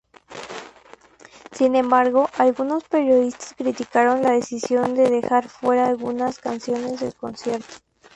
Sin embargo, algunos periodistas criticaron la decisión de dejar fuera algunas canciones del concierto.